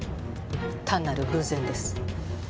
単なる偶然です。